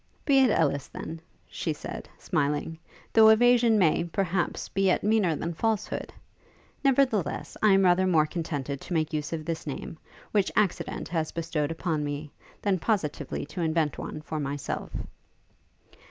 'Be it Ellis, then,' said she, smiling, 'though evasion may, perhaps, be yet meaner than falsehood! Nevertheless, I am rather more contented to make use of this name, which accident has bestowed upon me, than positively to invent one for myself.'